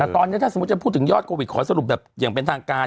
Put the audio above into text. ฟังได้ไหมโอเคไหมฟังได้โอเคพี่ฮะเห็นไหม